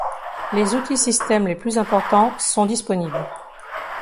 Les outils systèmes les plus importants sont disponibles.